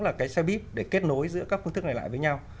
là cái xe buýt để kết nối giữa các phương thức này lại với nhau